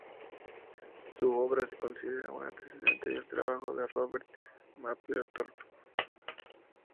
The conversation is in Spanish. Su obra se considera un antecedente del trabajo de Robert Mapplethorpe.